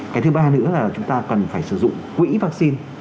cái thứ ba nữa là chúng ta cần phải sử dụng quỹ vaccine